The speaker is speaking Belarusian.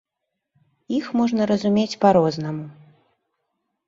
Іх можна разумець па-рознаму.